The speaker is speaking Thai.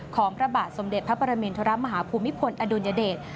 ของพระบาทสมเด็จพระประเมนธุระมหาภูมิพลอดุลยเดช